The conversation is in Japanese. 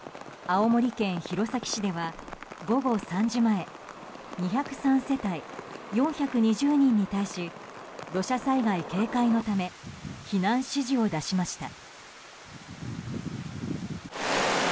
青森県弘前市では午後３時前２０３世帯４２０人に対し土砂災害警戒のため避難指示を出しました。